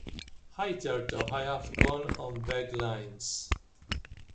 Hitherto I have gone on vague lines.